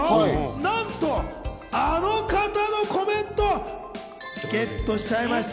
なんと、あの方のコメントをゲットしちゃいました。